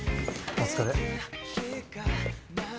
お疲れ。